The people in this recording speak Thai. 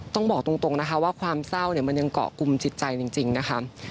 ต้องบอกตรงค่ะว่าพลังเศร้ามันยังเกาะกุมจิดใจจริงนะคะ